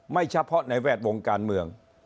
เฉพาะในแวดวงการเมือง